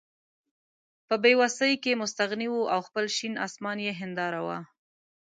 په بې وسۍ کې مستغني وو او خپل شین اسمان یې هېنداره وه.